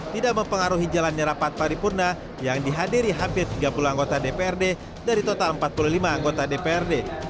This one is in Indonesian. tidak mempengaruhi jalannya rapat paripurna yang dihadiri hampir tiga puluh anggota dprd dari total empat puluh lima anggota dprd